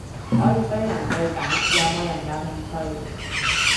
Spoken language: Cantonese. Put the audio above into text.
可以雙人對打，有冇人有興趣？